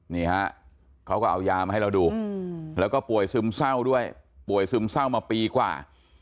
นี่ฮะเขาก็เอายามาให้เราดูแล้วก็ป่วยซึมเศร้าด้วยป่วยซึมเศร้ามาปีกว่า